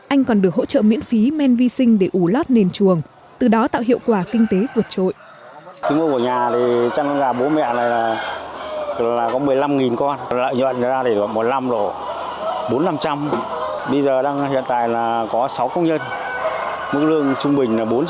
anh còn được hỗ trợ miễn phí men vi sinh để ủ lót nền chuồng từ đó tạo hiệu quả kinh tế vượt trội